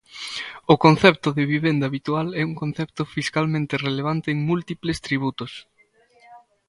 O concepto de vivenda habitual é un concepto fiscalmente relevante en múltiples tributos.